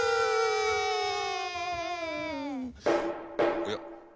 おや？